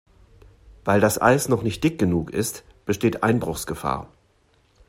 Weil das Eis noch nicht dick genug ist, besteht Einbruchsgefahr.